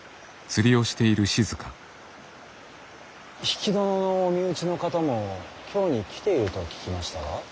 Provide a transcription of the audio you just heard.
比企殿のお身内の方も京に来ていると聞きましたが。